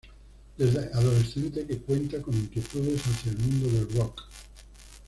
Desde adolescente que cuenta con inquietudes hacia el mundo del rock.